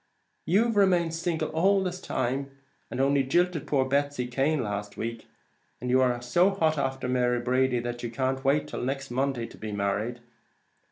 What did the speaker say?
"You've remained single all this time, and only jilted poor Betsy Cane last week; and are you so hot after Mary Brady that you can't wait till next Monday to be married?